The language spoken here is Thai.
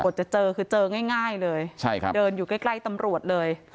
กดจะเจอคือเจอง่ายเลยเดินอยู่ใกล้ตำรวจเลย